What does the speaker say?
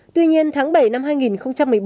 tuy nhiên tháng bảy năm hai nghìn một mươi bốn